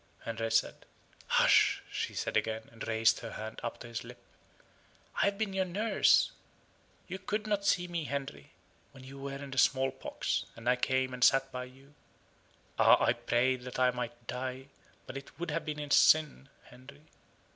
Henry said. "Hush!" she said again, and raised her hand up to his lip. "I have been your nurse. You could not see me, Harry, when you were in the small pox, and I came and sat by you. Ah! I prayed that I might die, but it would have been in sin, Henry.